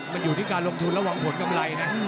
หยุดที่การลงทุนระหว่างผลกำไร